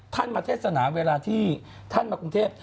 ท่านมาเทศนาเวลาที่ท่านมากรุงเทพ